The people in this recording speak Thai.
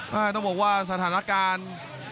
ต้องบอกว่าสถานการณ์